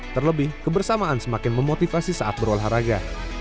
terlebih kebersamaan semakin memotivasi saat berolahraga